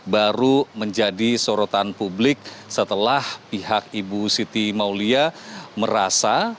baru menjadi sorotan publik setelah pihak ibu siti maulia merasa